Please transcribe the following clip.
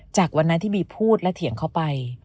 จากวันนั้นที่บีพูดและเถียงเขาไป